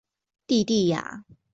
蒂蒂雅。